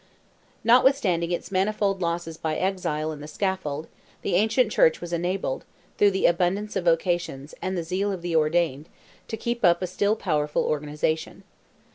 Notwithstanding its manifold losses by exile and the scaffold, the ancient Church was enabled, through the abundance of vocations, and the zeal of the ordained, to keep up a still powerful organization.